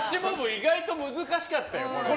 意外と難しかったよ。